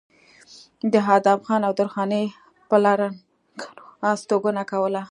د ادم خان او درخانۍ پلرګنو استوګنه کوله